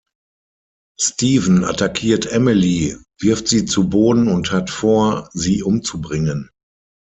Steven attackiert Emily, wirft sie zu Boden und hat vor, sie umzubringen.